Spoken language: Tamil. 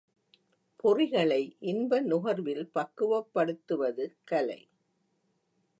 பொறிகளை, இன்ப நுகர்வில் பக்குவப்படுத்துவது கலை.